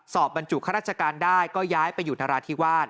บรรจุข้าราชการได้ก็ย้ายไปอยู่นราธิวาส